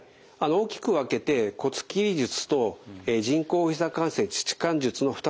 大きく分けて骨切り術と人工ひざ関節置換術の２つの方法があります。